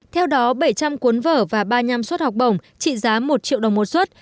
theo đó bảy trăm linh cuốn vở và ba nhăm suất học bổng trị giá một triệu đồng một suất